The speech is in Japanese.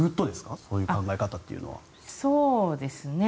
そういう考え方というのは。